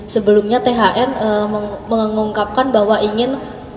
sebelumnya thn mengungkapkan bahwa ingin